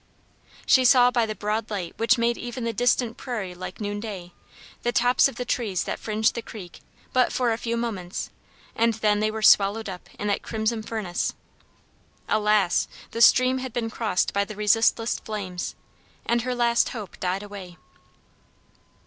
She saw by the broad light which made even the distant prairie like noonday, the tops of the trees that fringed the creek but for a few moments, and then they were swallowed up in that crimson furnace. Alas! the stream had been crossed by the resistless flames, and her last hope died away.